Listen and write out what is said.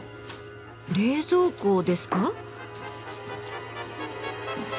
冷蔵庫ですか？